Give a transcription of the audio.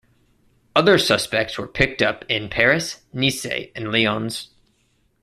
Other suspects were picked up in Paris, Nice and Lyons.